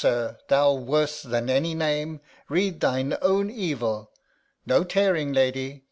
[To Goneril] Thou worse than any name, read thine own evil. No tearing, lady!